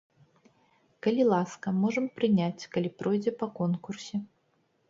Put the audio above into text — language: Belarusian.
Калі ласка, можам прыняць, калі пройдзе па конкурсе.